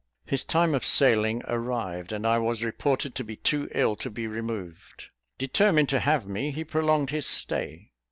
His time of sailing arrived, and I was reported to be too ill to be removed. Determined to have me, he prolonged his stay.